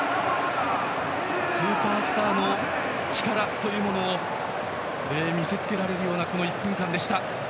スーパースターの力というものを見せ付けられるような１分間でした。